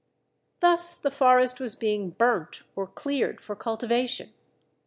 ] Thus the forest was being burnt or cleared for cultivation.